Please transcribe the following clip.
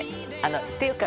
「っていうか